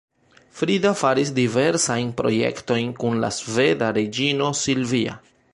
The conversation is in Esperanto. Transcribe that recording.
Frida faris diversajn projektojn kun la sveda reĝino Silvia.